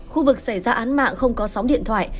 khu vực xảy ra án mạng không có sóng điện thoại